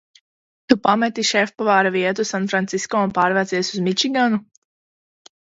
Tu pameti šefpavāra vietu Sanfrancisko un pārvācies uz Mičiganu?